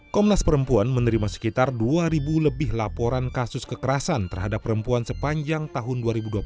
komnas perempuan menerima sekitar dua lebih laporan kasus kekerasan terhadap perempuan sepanjang tahun dua ribu dua puluh satu